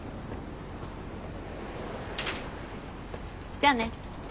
じゃあね。